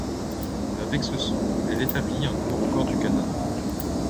Avec ce saut elle établit un nouveau record du Canada.